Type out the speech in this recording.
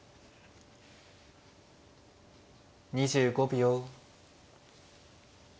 ２５秒。